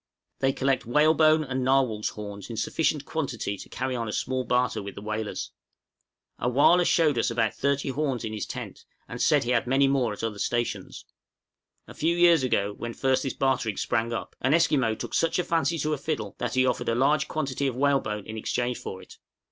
They collect whalebone and narwhal's horns in sufficient quantity to carry on a small barter with the whalers. A wăh lah showed us about thirty horns in his tent, and said he had many more at other stations. A few years ago, when first this bartering sprang up, an Esquimaux took such a fancy to a fiddle that he offered a large quantity of whalebone in exchange for it.